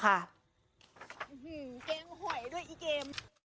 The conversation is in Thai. แกงหอยด้วยอีเกม